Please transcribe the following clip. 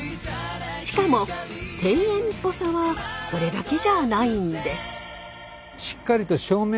しかも庭園っぽさはそれだけじゃないんです。